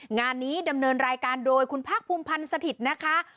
งานนี้ดำเนินรายการโดยคุณภาคภูมิพันธ์สถิตย์นะคะ